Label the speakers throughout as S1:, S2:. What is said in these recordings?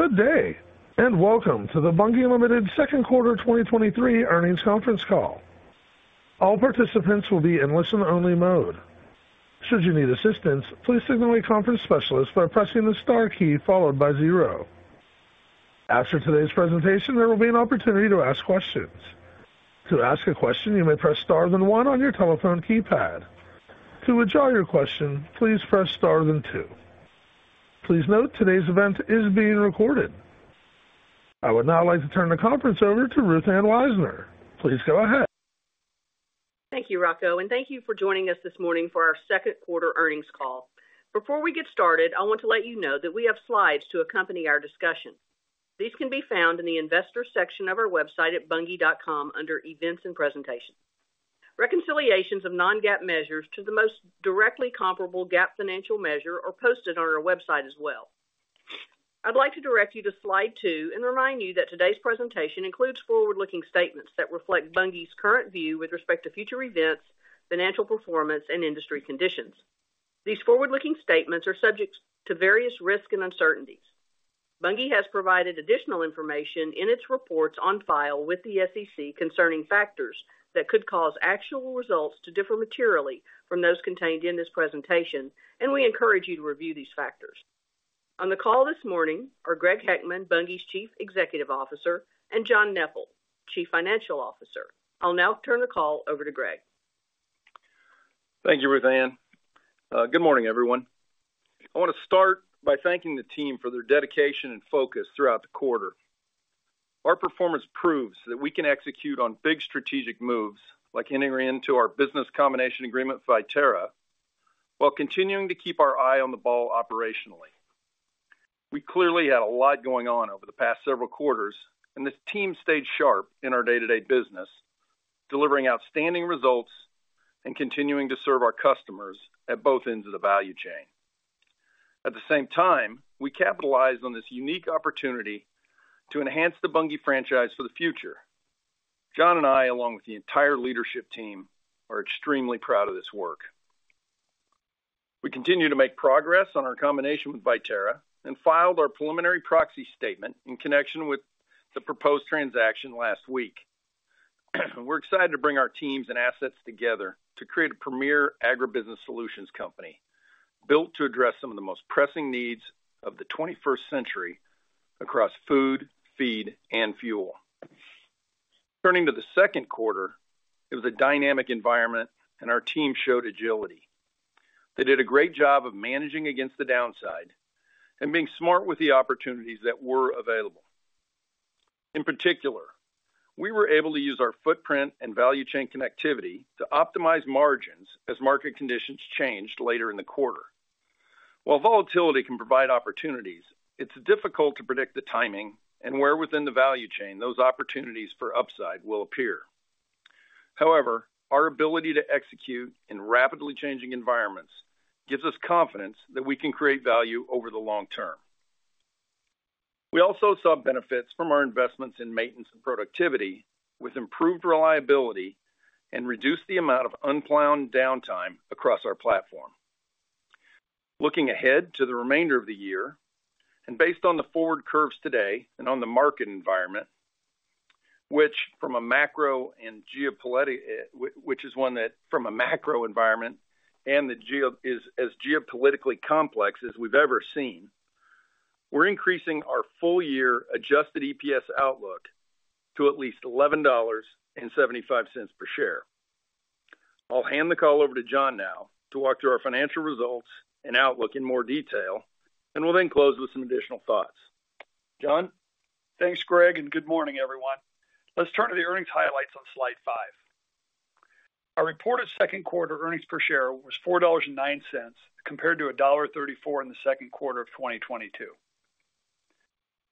S1: Good day, welcome to the Bunge Limited Second Quarter 2023 earnings conference call. All participants will be in listen-only mode. Should you need assistance, please signal a conference specialist by pressing the star key followed by zero. After today's presentation, there will be an opportunity to ask questions. To ask a question, you may press star then one on your telephone keypad. To withdraw your question, please press star then two. Please note, today's event is being recorded. I would now like to turn the conference over to Ruth Ann Wisener. Please go ahead.
S2: Thank you, Rocco, and thank you for joining us this morning for our second quarter earnings call. Before we get started, I want to let you know that we have slides to accompany our discussion. These can be found in the investor section of our website at bunge.com under Events and Presentations. Reconciliations of non-GAAP measures to the most directly comparable GAAP financial measure are posted on our website as well. I'd like to direct you to slide two and remind you that today's presentation includes forward-looking statements that reflect Bunge's current view with respect to future events, financial performance, and industry conditions. These forward-looking statements are subject to various risks and uncertainties. Bunge has provided additional information in its reports on file with the SEC concerning factors that could cause actual results to differ materially from those contained in this presentation, and we encourage you to review these factors. On the call this morning are Greg Heckman, Bunge's Chief Executive Officer, and John Neppl, Chief Financial Officer. I'll now turn the call over to Greg.
S3: Thank you, Ruth Ann. Good morning, everyone. I wanna start by thanking the team for their dedication and focus throughout the quarter. Our performance proves that we can execute on big strategic moves, like entering into our business combination agreement with Viterra, while continuing to keep our eye on the ball operationally. We clearly had a lot going on over the past several quarters. This team stayed sharp in our day-to-day business, delivering outstanding results and continuing to serve our customers at both ends of the value chain. At the same time, we capitalized on this unique opportunity to enhance the Bunge franchise for the future. John and I, along with the entire leadership team, are extremely proud of this work. We continue to make progress on our combination with Viterra and filed our preliminary proxy statement in connection with the proposed transaction last week. We're excited to bring our teams and assets together to create a premier agribusiness solutions company, built to address some of the most pressing needs of the 21st century across food, feed, and fuel. Turning to the second quarter, it was a dynamic environment. Our team showed agility. They did a great job of managing against the downside and being smart with the opportunities that were available. In particular, we were able to use our footprint and value chain connectivity to optimize margins as market conditions changed later in the quarter. While volatility can provide opportunities, it's difficult to predict the timing and where within the value chain those opportunities for upside will appear. Our ability to execute in rapidly changing environments gives us confidence that we can create value over the long term. We also saw benefits from our investments in maintenance and productivity, with improved reliability and reduced the amount of unplanned downtime across our platform. Based on the forward curves today and on the market environment, which from a macro and which is one that, from a macro environment and is as geopolitically complex as we've ever seen, we're increasing our full-year adjusted EPS outlook to at least $11.75 per share. I'll hand the call over to John now to walk through our financial results and outlook in more detail, we'll then close with some additional thoughts. John?
S4: Thanks, Greg. Good morning, everyone. Let's turn to the earnings highlights on slide five. Our reported second-quarter earnings per share was $4.09, compared to $1.34 in the second quarter of 2022.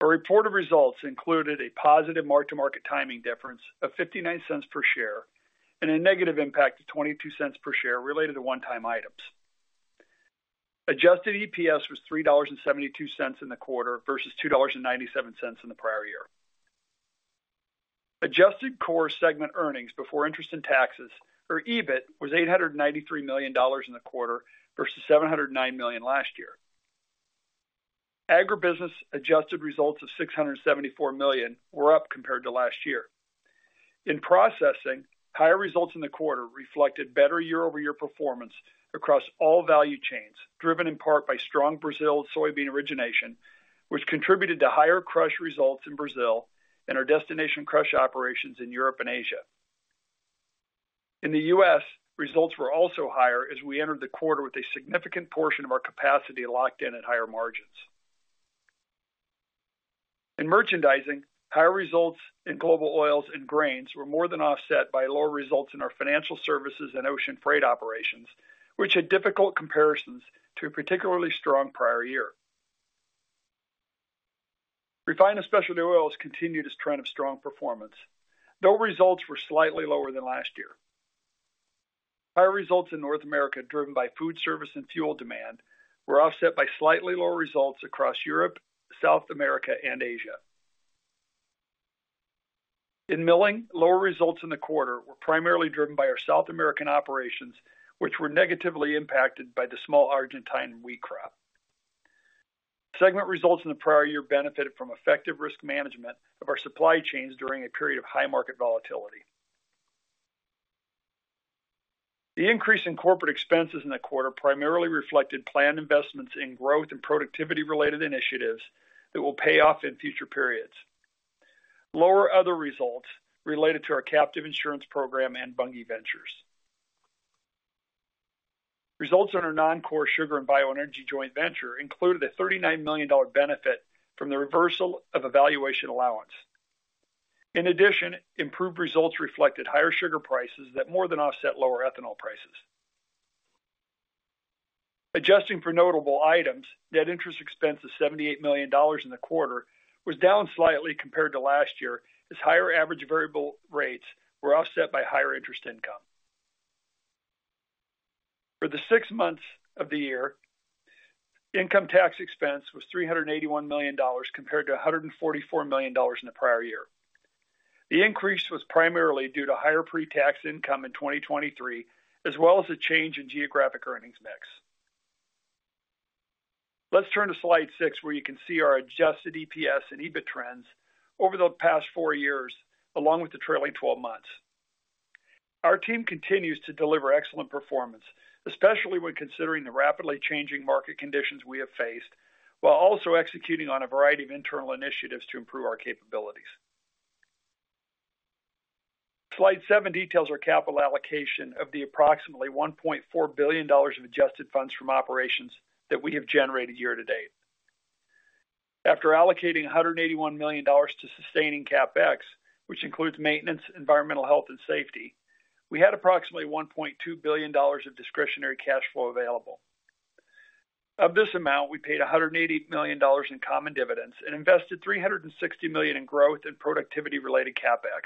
S4: Our reported results included a positive mark-to-market timing difference of $0.59 per share and a negative impact of $0.22 per share related to one-time items. Adjusted EPS was $3.72 in the quarter versus $2.97 in the prior year. Adjusted core segment earnings before interest in taxes, or EBIT, was $893 million in the quarter versus $709 million last year. Agribusiness adjusted results of $674 million were up compared to last year. In processing, higher results in the quarter reflected better year-over-year performance across all value chains, driven in part by strong Brazil soybean origination, which contributed to higher crush results in Brazil and our destination crush operations in Europe and Asia. In the U.S., results were also higher as we entered the quarter with a significant portion of our capacity locked in at higher margins. In merchandising, higher results in global oils and grains were more than offset by lower results in our financial services and ocean freight operations, which had difficult comparisons to a particularly strong prior year. Refined and Specialty Oils continued its trend of strong performance, though results were slightly lower than last year. Higher results in North America, driven by food service and fuel demand, were offset by slightly lower results across Europe, South America, and Asia. In Milling, lower results in the quarter were primarily driven by our South American operations, which were negatively impacted by the small Argentine wheat crop. Segment results in the prior year benefited from effective risk management of our supply chains during a period of high market volatility. The increase in corporate expenses in the quarter primarily reflected planned investments in growth and productivity-related initiatives that will pay off in future periods. Lower other results related to our captive insurance program and Bunge Ventures. Results on our non-core sugar and bioenergy joint venture included a $39 million benefit from the reversal of a valuation allowance. In addition, improved results reflected higher sugar prices that more than offset lower ethanol prices. Adjusting for notable items, net interest expense of $78 million in the quarter was down slightly compared to last year, as higher average variable rates were offset by higher interest income. For the six months of the year, income tax expense was $381 million, compared to $144 million in the prior year. The increase was primarily due to higher pre-tax income in 2023, as well as a change in geographic earnings mix. Let's turn to slide six, where you can see our adjusted EPS and EBIT trends over the past four years, along with the trailing 12 months. Our team continues to deliver excellent performance, especially when considering the rapidly changing market conditions we have faced, while also executing on a variety of internal initiatives to improve our capabilities. Slide seven details our capital allocation of the approximately $1.4 billion of adjusted funds from operations that we have generated year to date. After allocating $181 million to sustaining CapEx, which includes maintenance, environmental, health, and safety, we had approximately $1.2 billion of discretionary cash flow available. Of this amount, we paid $180 million in common dividends and invested $360 million in growth and productivity-related CapEx,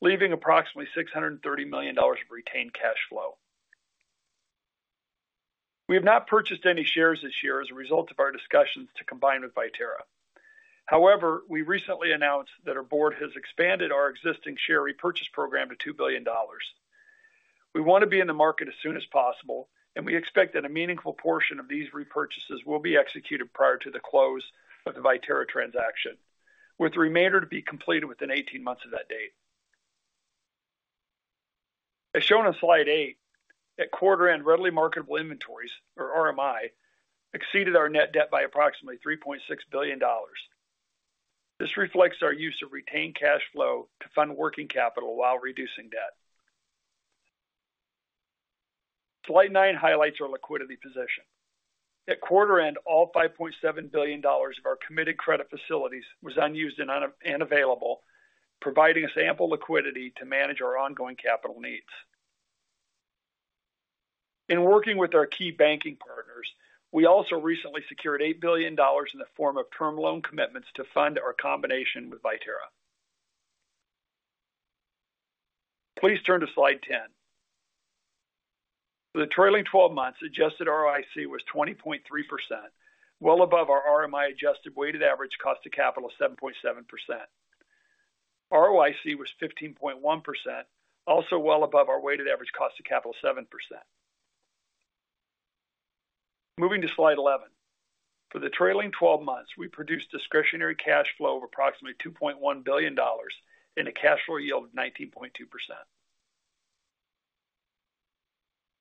S4: leaving approximately $630 million of retained cash flow. We have not purchased any shares this year as a result of our discussions to combine with Viterra. However, we recently announced that our board has expanded our existing share repurchase program to $2 billion. We want to be in the market as soon as possible. We expect that a meaningful portion of these repurchases will be executed prior to the close of the Viterra transaction, with the remainder to be completed within 18 months of that date. As shown on slide eight, at quarter-end, Readily Marketable Inventories, or RMI, exceeded our net debt by approximately $3.6 billion. This reflects our use of retained cash flow to fund working capital while reducing debt. Slide nine highlights our liquidity position. At quarter end, all $5.7 billion of our committed credit facilities was unused and available, providing us ample liquidity to manage our ongoing capital needs. In working with our key banking partners, we also recently secured $8 billion in the form of term loan commitments to fund our combination with Viterra. Please turn to slide 10. For the trailing 12 months, adjusted ROIC was 20.3%, well above our RMI adjusted weighted average cost of capital of 7.7%. ROIC was 15.1%, also well above our weighted average cost of capital, 7%. Moving to slide 11. For the trailing 12 months, we produced discretionary cash flow of approximately $2.1 billion and a cash flow yield of 19.2%.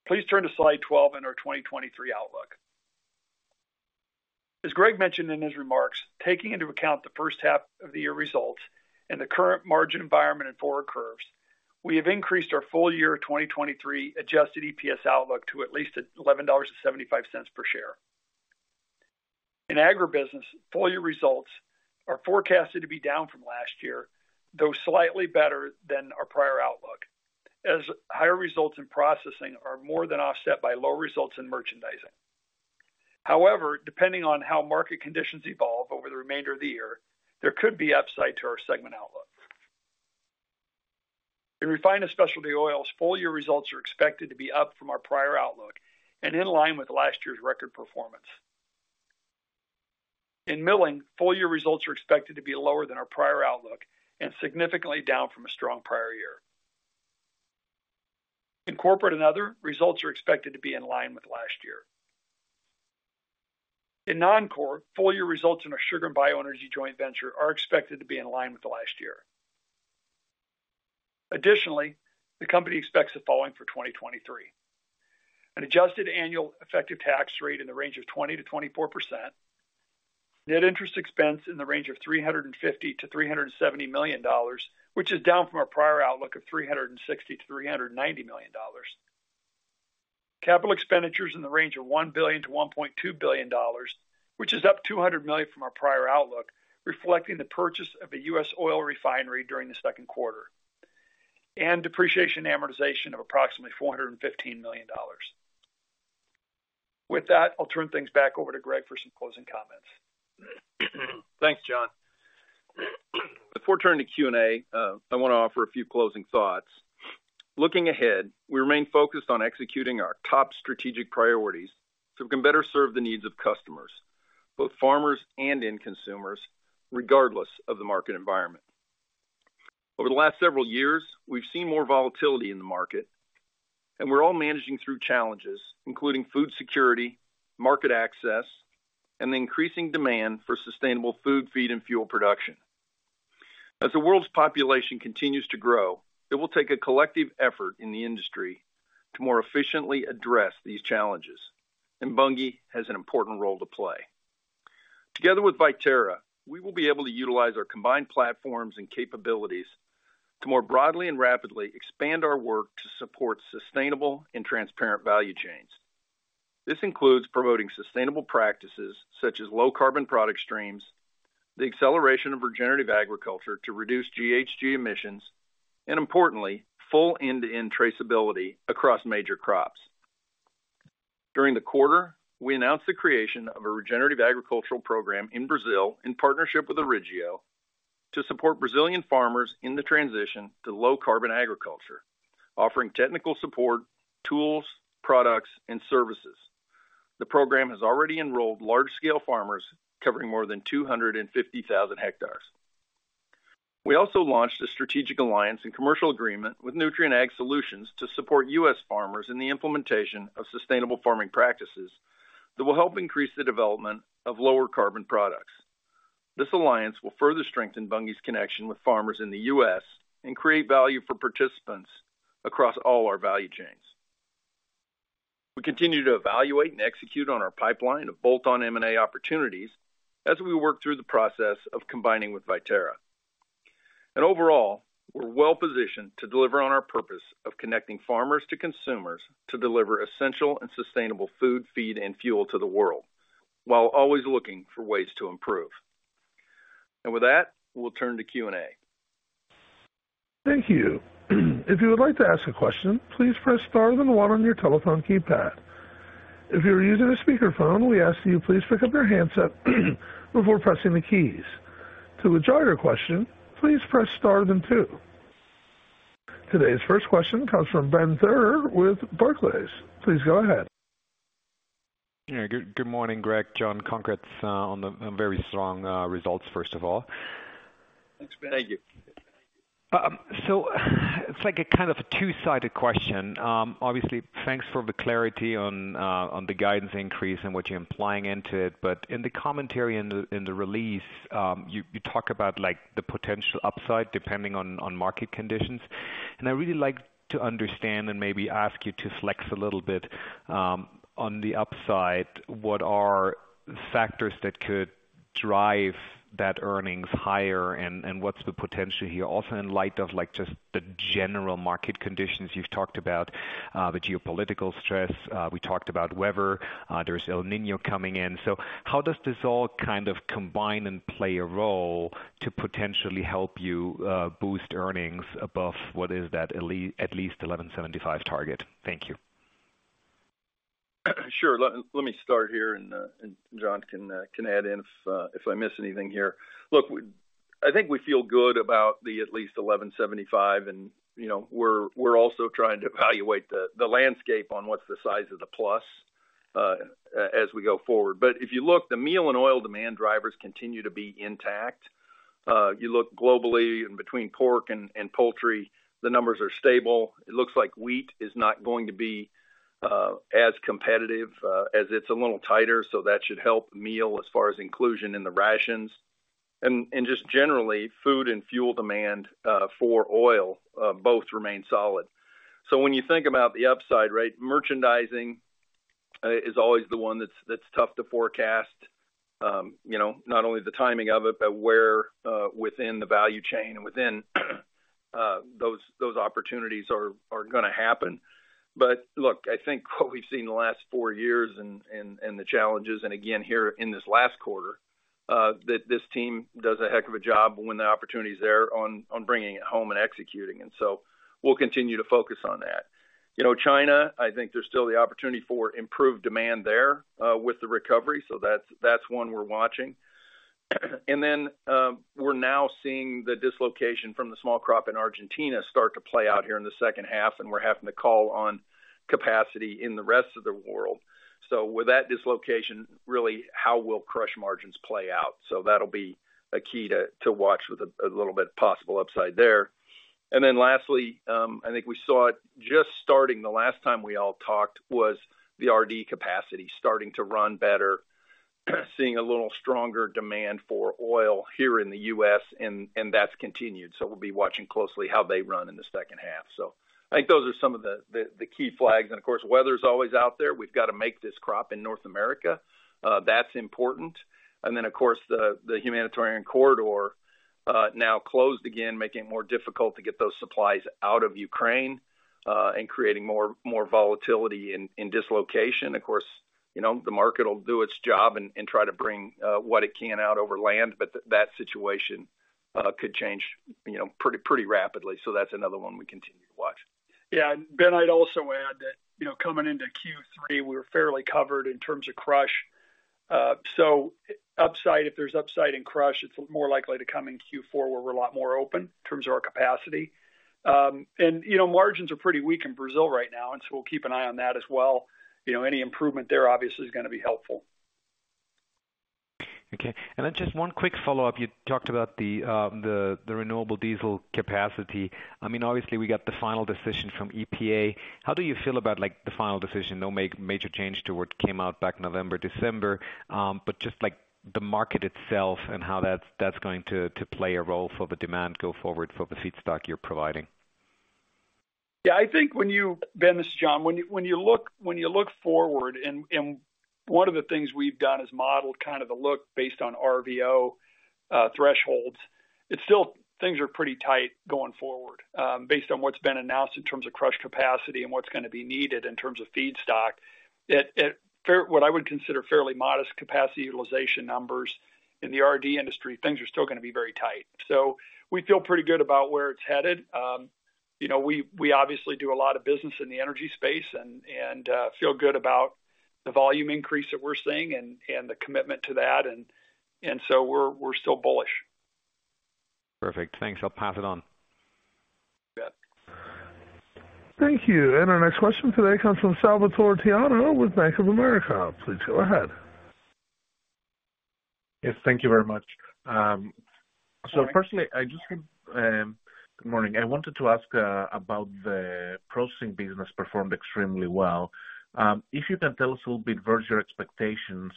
S4: Please turn to slide 12 in our 2023 outlook. As Greg mentioned in his remarks, taking into account the first half of the year results and the current margin environment and forward curves, we have increased our full year 2023 adjusted EPS outlook to at least $11.75 per share. In agribusiness, full-year results are forecasted to be down from last year, though slightly better than our prior outlook, as higher results in processing are more than offset by lower results in merchandising. However, depending on how market conditions evolve over the remainder of the year, there could be upside to our segment outlook. In Refined and Specialty Oils, full-year results are expected to be up from our prior outlook and in line with last year's record performance. In Milling, full-year results are expected to be lower than our prior outlook and significantly down from a strong prior year. In Corporate and Other, results are expected to be in line with last year. In Non-Core, full-year results in our sugar and bioenergy joint venture are expected to be in line with last year. Additionally, the company expects the following for 2023: an adjusted annual effective tax rate in the range of 20%-24%, net interest expense in the range of $350 million-$370 million, which is down from our prior outlook of $360 million-$390 million, capital expenditures in the range of $1 billion-$1.2 billion, which is up $200 million from our prior outlook, reflecting the purchase of a U.S. oil refinery during the second quarter, and depreciation and amortization of approximately $415 million. With that, I'll turn things back over to Greg for some closing comments.
S3: Thanks, John. Before turning to Q and A, I want to offer a few closing thoughts. Looking ahead, we remain focused on executing our top strategic priorities, so we can better serve the needs of customers, both farmers and end consumers, regardless of the market environment. Over the last several years, we've seen more volatility in the market, and we're all managing through challenges, including food security, market access, and the increasing demand for sustainable food, feed, and fuel production. As the world's population continues to grow, it will take a collective effort in the industry to more efficiently address these challenges, and Bunge has an important role to play. Together with Viterra, we will be able to utilize our combined platforms and capabilities to more broadly and rapidly expand our work to support sustainable and transparent value chains. This includes promoting sustainable practices such as low carbon product streams, the acceleration of regenerative agriculture to reduce GHG emissions, and importantly, full end-to-end traceability across major crops. During the quarter, we announced the creation of a regenerative agricultural program in Brazil, in partnership with Orígeo, to support Brazilian farmers in the transition to low carbon agriculture, offering technical support, tools, products, and services. The program has already enrolled large-scale farmers covering more than 250,000 hectares. We also launched a strategic alliance and commercial agreement with Nutrien Ag Solutions to support U.S. farmers in the implementation of sustainable farming practices that will help increase the development of lower carbon products. This alliance will further strengthen Bunge's connection with farmers in the US and create value for participants across all our value chains. We continue to evaluate and execute on our pipeline of bolt-on M&A opportunities as we work through the process of combining with Viterra. Overall, we're well positioned to deliver on our purpose of connecting farmers to consumers to deliver essential and sustainable food, feed, and fuel to the world, while always looking for ways to improve. With that, we'll turn to Q and A.
S1: Thank you. If you would like to ask a question, please press star then one on your telephone keypad. If you are using a speakerphone, we ask that you please pick up your handset, before pressing the keys. To withdraw your question, please press star then two. Today's first question comes from Benjamin Theurer with Barclays. Please go ahead.
S5: Yeah, good, good morning, Greg, John. Congrats, on the, on very strong results, first of all.
S3: Thanks, Ben.
S5: So it's like a kind of a two-sided question. Obviously, thanks for the clarity on the guidance increase and what you're implying into it. But in the commentary in the release, you talk about, like, the potential upside, depending on market conditions. And I'd really like to understand and maybe ask you to flex a little bit on the upside, what are factors that could drive that earnings higher? And what's the potential here? Also, in light of, like, just the general market conditions, you've talked about the geopolitical stress, we talked about weather, there's El Niño coming in. How does this all kind of combine and play a role to potentially help you boost earnings above what is that at least $11.75 target? Thank you.
S3: Sure. let, let me start here, and John can add in if I miss anything here. Look, I think we feel good about the at least $11.75, you know, we're, we're also trying to evaluate the, the landscape on what's the size of the plus as we go forward. If you look, the meal and oil demand drivers continue to be intact. You look globally and between pork and poultry, the numbers are stable. It looks like wheat is not going to be as competitive as it's a little tighter, so that should help meal as far as inclusion in the rations. Just generally, food and fuel demand for oil both remain solid. When you think about the upside, right, merchandising is always the one that's, that's tough to forecast. You know, not only the timing of it, but where within the value chain and within those, those opportunities are, are gonna happen. Look, I think what we've seen in the last four years and, and, and the challenges, and again, here in this last quarter, that this team does a heck of a job when the opportunity is there on, on bringing it home and executing. We'll continue to focus on that. You know, China, I think there's still the opportunity for improved demand there, with the recovery. That's, that's one we're watching. We're now seeing the dislocation from the small crop in Argentina start to play out here in the second half, and we're having to call on capacity in the rest of the world. With that dislocation, really, how will crush margins play out? That'll be a key to watch with a little bit possible upside there. Lastly, I think we saw it just starting the last time we all talked was the RD capacity starting to run better, seeing a little stronger demand for oil here in the U.S., and that's continued. We'll be watching closely how they run in the second half. I think those are some of the key flags. Weather's always out there. We've got to make this crop in North America. That's important. Then, of course, the, the humanitarian corridor, now closed again, making it more difficult to get those supplies out of Ukraine, and creating more, more volatility and, and dislocation. Of course, you know, the market will do its job and, and try to bring, what it can out over land, but that situation, could change, you know, pretty, pretty rapidly. That's another one we continue to watch.
S4: Yeah, Ben, I'd also add that, you know, coming into Q3, we were fairly covered in terms of crush. Upside, if there's upside in crush, it's more likely to come in Q4, where we're a lot more open in terms of our capacity. You know, margins are pretty weak in Brazil right now, so we'll keep an eye on that as well. You know, any improvement there obviously is going to be helpful.
S5: Okay. Just one quick follow-up. You talked about the, the renewable diesel capacity. I mean, obviously, we got the final decision from EPA. How do you feel about, like, the final decision? No major change to what came out back November, December, but just like the market itself and how that's, that's going to, to play a role for the demand go forward for the feedstock you're providing?
S4: Yeah, I think when you, Ben, this is John. When you, when you look, when you look forward, one of the things we've done is modeled kind of the look based on RVO thresholds, it's still things are pretty tight going forward. Based on what's been announced in terms of crush capacity and what's going to be needed in terms of feedstock, what I would consider fairly modest capacity utilization numbers in the RD industry, things are still going to be very tight. We feel pretty good about where it's headed. You know, we, we obviously do a lot of business in the energy space and feel good about the volume increase that we're seeing and the commitment to that. We're, we're still bullish.
S5: Perfect. Thanks. I'll pass it on.
S3: You bet.
S1: Thank you. Our next question today comes from Salvator Tiano with Bank of America. Please go ahead.
S6: Yes, thank you very much. Firstly, I just want. Good morning. I wanted to ask about the processing business performed extremely well. If you can tell us a little bit versus your expectations,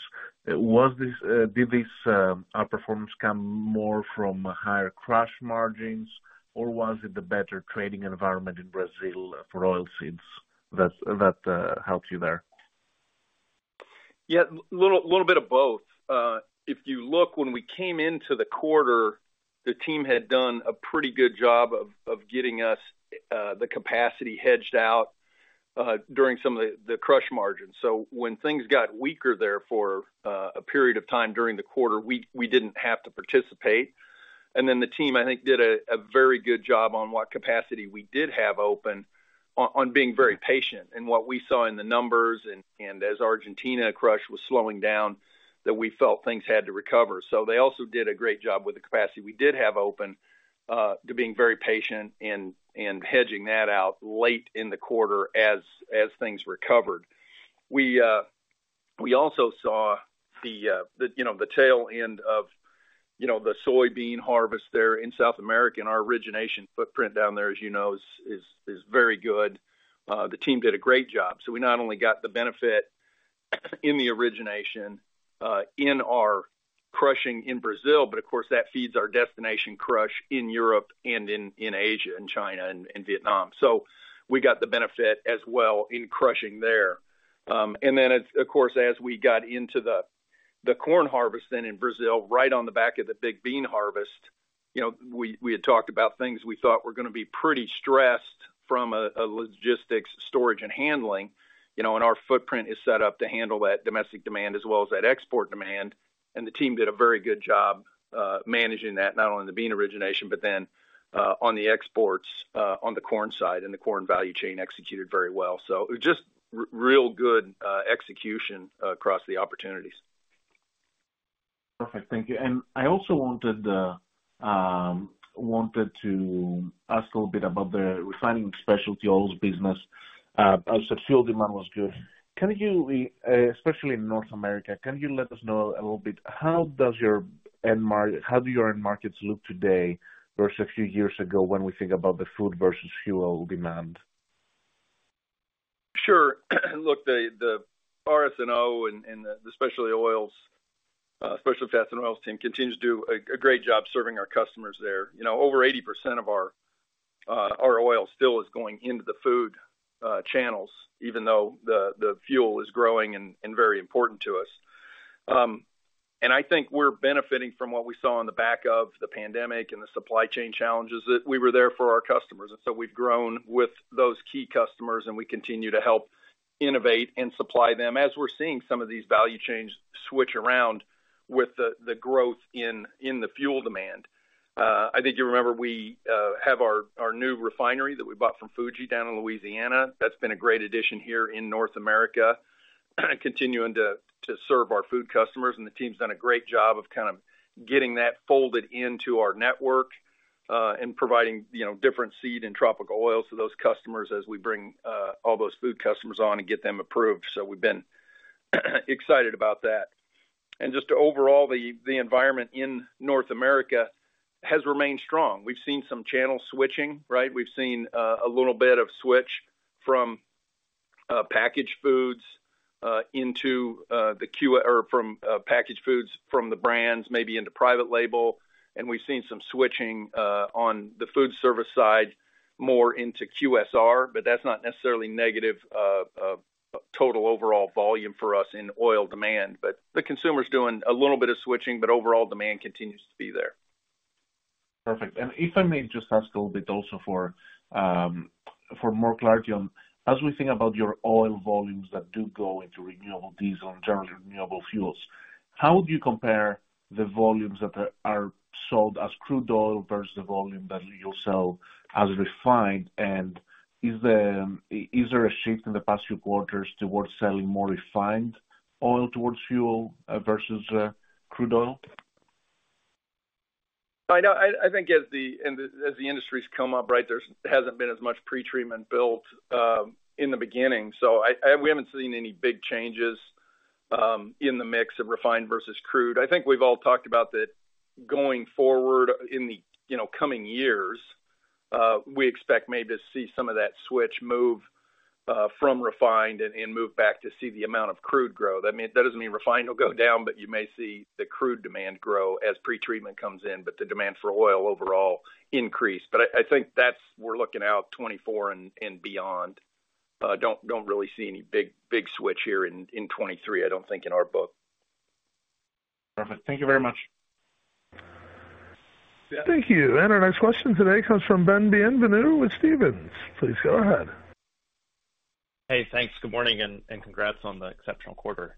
S6: did this outperformance come more from higher crush margins, or was it the better trading environment in Brazil for oilseeds that helped you there?
S3: Yeah, little, little bit of both. If you look, when we came into the quarter, the team had done a pretty good job of, of getting us, the capacity hedged out, during some of the, the crush margins. When things got weaker there for, a period of time during the quarter, we, we didn't have to participate. The team, I think, did a, a very good job on what capacity we did have open on, on being very patient. What we saw in the numbers and, and as Argentina crush was slowing down, that we felt things had to recover. They also did a great job with the capacity we did have open, to being very patient and, and hedging that out late in the quarter as, as things recovered. We, we also saw the, the, you know, the tail end of, you know, the soybean harvest there in South America, and our origination footprint down there, as you know, is, is, is very good. The team did a great job. We not only got the benefit in the origination, in our crushing in Brazil, but of course, that feeds our destination crush in Europe and in, in Asia, and China, and, and Vietnam. We got the benefit as well in crushing there. Then, of course, as we got into the, the corn harvest then in Brazil, right on the back of the big bean harvest, you know, we, we had talked about things we thought were going to be pretty stressed from a, a logistics storage and handling. You know, our footprint is set up to handle that domestic demand as well as that export demand. The team did a very good job managing that, not only in the bean origination, but then on the exports on the corn side. The corn value chain executed very well. Just real good execution across the opportunities.
S6: Perfect. Thank you. I also wanted, the, wanted to ask a little bit about the Refined and Specialty Oils business. As the fuel demand was good, can you, especially in North America, can you let us know a little bit, how do your end markets look today versus a few years ago when we think about the food versus fuel demand?
S3: Sure. Look, the, the RS&O and, and the, the specialty oils, special fats and oils team continues to do a great job serving our customers there. You know, over 80% of our oil still is going into the food channels, even though the fuel is growing and very important to us. I think we're benefiting from what we saw on the back of the pandemic and the supply chain challenges, that we were there for our customers. We've grown with those key customers, and we continue to help innovate and supply them as we're seeing some of these value chains switch around with the growth in the fuel demand. I think you remember we have our new refinery that we bought from Fuji down in Louisiana. That's been a great addition here in North America, continuing to, to serve our food customers, and the team's done a great job of kind of getting that folded into our network, and providing, you know, different seed and tropical oils to those customers as we bring all those food customers on and get them approved. So we've been excited about that. Just overall, the, the environment in North America has remained strong. We've seen some channel switching, right? We've seen a little bit of switch from packaged foods into or from packaged foods from the brands, maybe into private label, and we've seen some switching on the food service side, more into QSR, but that's not necessarily negative total overall volume for us in oil demand. The consumer is doing a little bit of switching, but overall demand continues to be there.
S6: Perfect. If I may just ask a little bit also for, for more clarity on, as we think about your oil volumes that do go into renewable diesel and generally renewable fuels, how would you compare the volumes that are, are sold as crude oil versus the volume that you sell as refined? Is there, is there a shift in the past few quarters towards selling more refined oil towards fuel, versus, crude oil?
S3: I know, I, I think as the, and as the industries come up, right, there hasn't been as much pretreatment built in the beginning. I, I, we haven't seen any big changes in the mix of refined versus crude. I think we've all talked about that going forward in the, you know, coming years, we expect maybe to see some of that switch move from refined and, and move back to see the amount of crude grow. That doesn't mean refined will go down, but you may see the crude demand grow as pretreatment comes in, but the demand for oil overall increase. I, I think that's we're looking out 2024 and, and beyond. Don't, don't really see any big, big switch here in 2023, I don't think, in our book.
S6: Perfect. Thank you very much.
S1: Thank you. Our next question today comes from Ben Bienvenu with Stephens. Please go ahead.
S7: Hey, thanks. Good morning, and congrats on the exceptional quarter.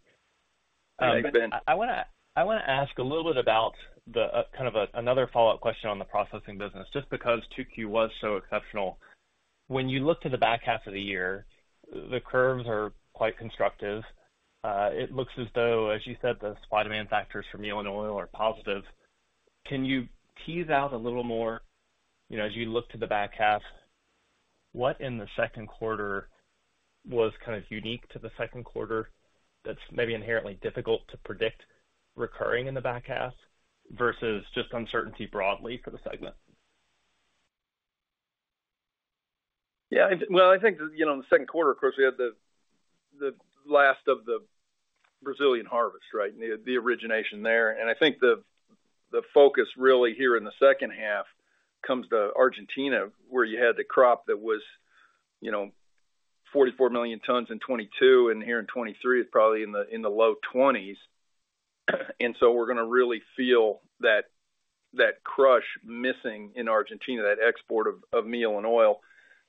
S3: Thanks, Ben.
S7: I wanna ask a little bit about the kind of another follow-up question on the processing business, just because 2Q was so exceptional. When you look to the back half of the year, the curves are quite constructive. It looks as though, as you said, the supply-demand factors for meal and oil are positive. Can you tease out a little more, you know, as you look to the back half, what in the second quarter was kind of unique to the second quarter that's maybe inherently difficult to predict recurring in the back half versus just uncertainty broadly for the segment?
S3: Yeah, well, I think, you know, in the second quarter, of course, we had the, the last of the Brazilian harvest, right? The, the origination there. I think the, the focus really here in the second half comes to Argentina, where you had the crop that was, you know, 44 million tons in 2022, and here in 2023, it's probably in the, in the low 20s. We're gonna really feel that, that crush missing in Argentina, that export of, of meal and oil.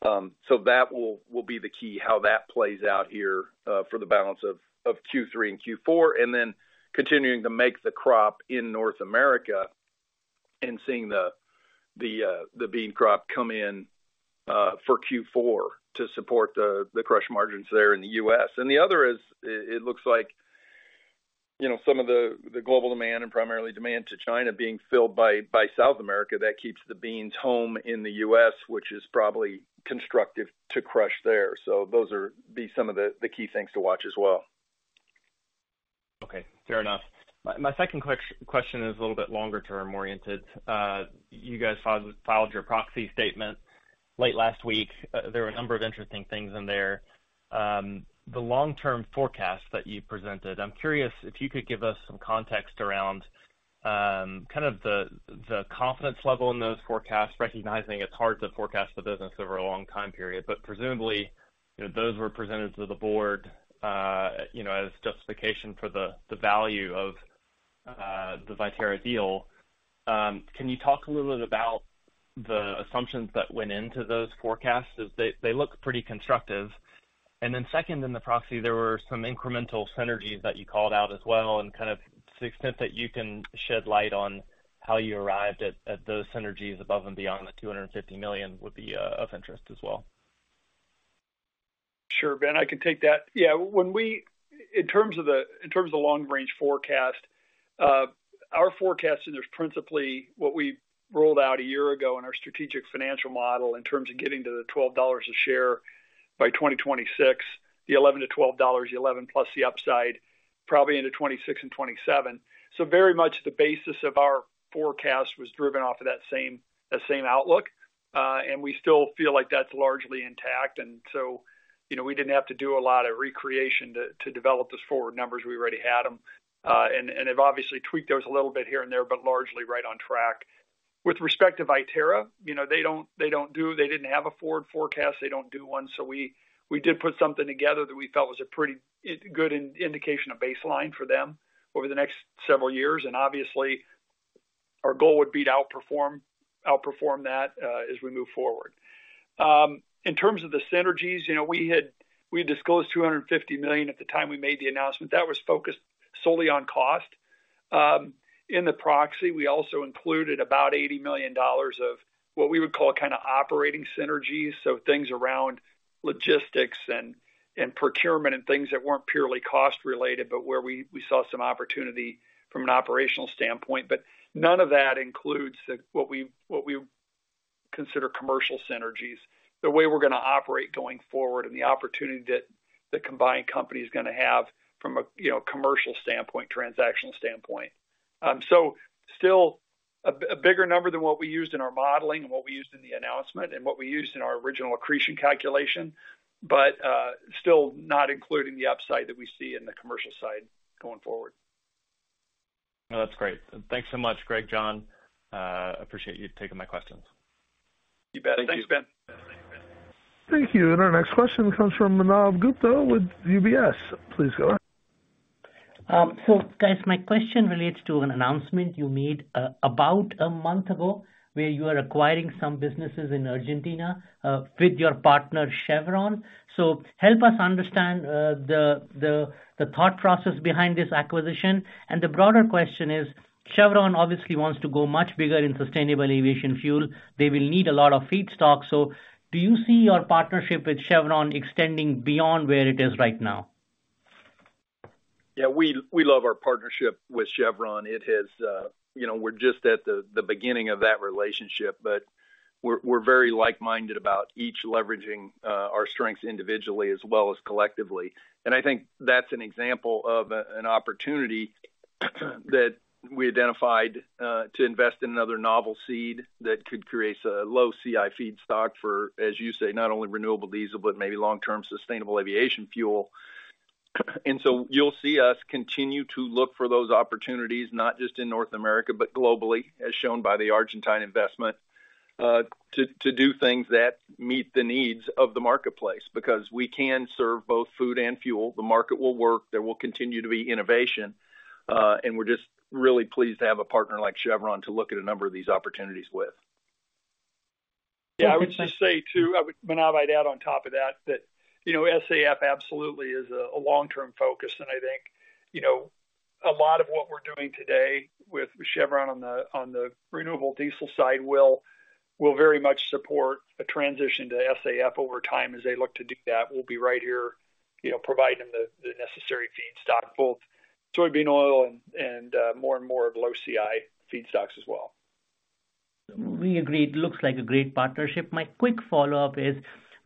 S3: That will, will be the key, how that plays out here for the balance of, of Q3 and Q4. Then continuing to make the crop in North America and seeing the, the, the bean crop come in for Q4 to support the, the crush margins there in the U.S. The other is, it, it looks like, you know, some of the, the global demand and primarily demand to China being filled by, by South America, that keeps the beans home in the U.S., which is probably constructive to crush there. Those are be some of the, the key things to watch as well.
S7: Okay, fair enough. My, my second question is a little bit longer term oriented. You guys filed your proxy statement late last week. There were a number of interesting things in there. The long-term forecast that you presented, I'm curious if you could give us some context around kind of the, the confidence level in those forecasts, recognizing it's hard to forecast the business over a long time period. Presumably, you know, those were presented to the board, you know, as justification for the, the value of the Viterra deal. Can you talk a little bit about the assumptions that went into those forecasts? As they, they look pretty constructive. Second, in the proxy, there were some incremental synergies that you called out as well, and kind of the extent that you can shed light on how you arrived at, at those synergies above and beyond the $250 million would be of interest as well.
S4: Su`re, Ben, I can take that. In terms of the, in terms of the long range forecast, our forecast is principally what we rolled out a year ago in our strategic financial model in terms of getting to the $12 a share by 2026, the $11-$12, the $11 plus the upside, probably into 2026 and 2027. Very much the basis of our forecast was driven off of that same, that same outlook, and we still feel like that's largely intact. You know, we didn't have to do a lot of recreation to, to develop those forward numbers. We already had them. And I've obviously tweaked those a little bit here and there, but largely right on track. With respect to Viterra, you know, they don't, they didn't have a forward forecast. They don't do one. We, we did put something together that we felt was a pretty good indication of baseline for them over the next several years, and obviously, our goal would be to outperform, outperform that as we move forward. In terms of the synergies, you know, we disclosed $250 million at the time we made the announcement. That was focused solely on cost. In the proxy, we also included about $80 million of what we would call kind of operating synergies, so things around logistics and, and procurement and things that weren't purely cost related, but where we, we saw some opportunity from an operational standpoint. None of that includes the, what we, what we consider commercial synergies, the way we're gonna operate going forward and the opportunity that the combined company is gonna have from a, you know, commercial standpoint, transactional standpoint. Still a bigger number than what we used in our modeling and what we used in the announcement and what we used in our original accretion calculation, but still not including the upside that we see in the commercial side going forward.
S7: No, that's great. Thanks so much, Greg, John. Appreciate you taking my questions.
S4: You bet. Thank you.
S3: Thanks, Ben.
S1: Thank you. Our next question comes from Manav Gupta with UBS. Please go ahead.
S8: Guys, my question relates to an announcement you made about a month ago, where you are acquiring some businesses in Argentina with your partner, Chevron. Help us understand the, the, the thought process behind this acquisition. The broader question is, Chevron obviously wants to go much bigger in sustainable aviation fuel. They will need a lot of feedstock. Do you see your partnership with Chevron extending beyond where it is right now?
S3: Yeah, we, we love our partnership with Chevron. It has, you know, we're just at the beginning of that relationship, but we're very like-minded about each leveraging our strengths individually as well as collectively. I think that's an example of an opportunity that we identified to invest in another Novel Seed that could create a low CI feedstock for, as you say, not only renewable diesel, but maybe long-term sustainable aviation fuel. So you'll see us continue to look for those opportunities, not just in North America, but globally, as shown by the Argentine investment to do things that meet the needs of the marketplace, because we can serve both food and fuel. The market will work. There will continue to be innovation, and we're just really pleased to have a partner like Chevron to look at a number of these opportunities with.
S4: Yeah, I would just say, too, Manav, I'd add on top of that, that, you know, SAF absolutely is a, a long-term focus. I think, you know, a lot of what we're doing today with Chevron on the renewable diesel side will, will very much support a transition to SAF over time. As they look to do that, we'll be right here, you know, providing the, the necessary feedstock, both soybean oil and, and more and more of low CI feedstocks as well.
S8: We agree. It looks like a great partnership. My quick follow-up is,